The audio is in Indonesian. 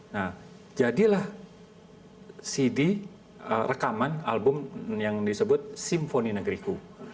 nah jadilah cd rekaman album yang disebut simfoni negriku